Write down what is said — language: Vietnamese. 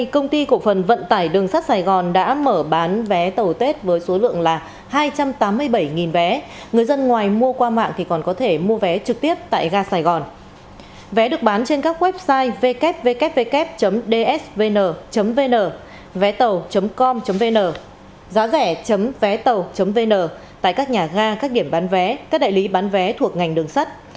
kép dsvn vn vé tàu com vn giá rẻ vé tàu vn tại các nhà ga các điểm bán vé các đại lý bán vé thuộc ngành đường sắt